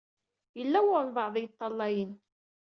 Yella walebɛaḍ i yeṭṭalayen.